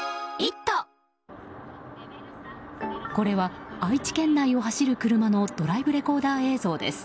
これは愛知県内を走る車のドライブレコーダー映像です。